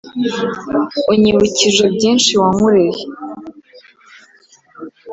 unyibukije byinshi wankoreye